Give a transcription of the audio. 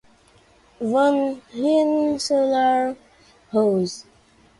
Van Rensselaer House.